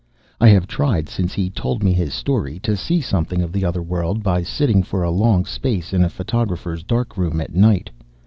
I have tried, since he told me his story, to see something of the Other World by sitting for a long space in a photographer's dark room at night.